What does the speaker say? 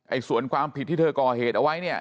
ส่วนความผิดที่เธอก่อเหตุเอาไว้เนี่ย